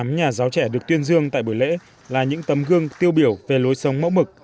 tám mươi nhà giáo trẻ được tuyên dương tại buổi lễ là những tấm gương tiêu biểu về lối sống mẫu mực